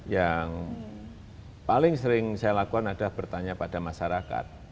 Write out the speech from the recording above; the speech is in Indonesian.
yang paling sering saya lakukan adalah bertanya pada masyarakat